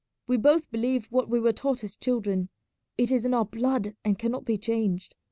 We both believe what we were taught as children; it is in our blood and cannot be changed.